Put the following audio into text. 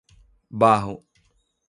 Barro